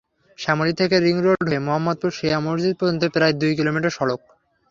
শ্যামলী থেকে ring road হয়ে মোহাম্মদপুর শিয়া মসজিদ পর্যন্ত প্রায় দুই কিলোমিটার সড়ক।